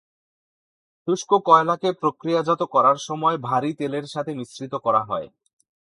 শুষ্ক কয়লাকে প্রক্রিয়াজাত করার সময় ভারী তেলের সঙ্গে মিশ্রিত করা হয়।